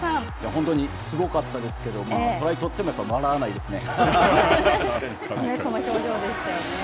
本当にすごかったですけれども、トライを取っても笑わないですね。